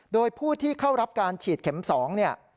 โดยผู้ที่เข้ารับการฉีดเข็ม๒เนี่ย